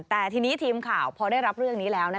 แต่ทีนี้ทีมข่าวพอได้รับเรื่องนี้แล้ว